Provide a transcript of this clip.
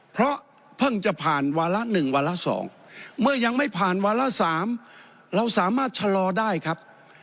เพราะเพิ่งจะผ่านวาระ๑วาระ๒เมื่อยังไม่ผ่านวาระ๓เราสามารถชะลอได้ครับ